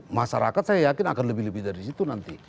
masyarakat saya yakin akan lebih lebih dari situ nanti